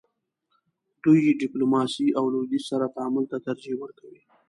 دوی ډیپلوماسۍ او لویدیځ سره تعامل ته ترجیح ورکوي.